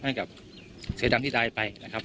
ให้กับเศรษฐรรมที่ได้ไปนะครับ